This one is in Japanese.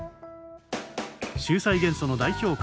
秀才元素の代表格